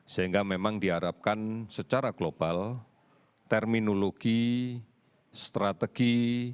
sehingga memang diharapkan secara global terminologi strategi